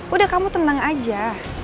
udah kamu tenang aja